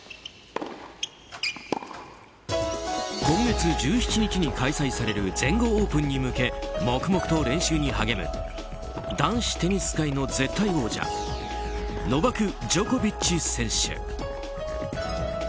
今月１７日に開催される全豪オープンに向け黙々と練習に励む男子テニス界の絶対王者ノバク・ジョコビッチ選手。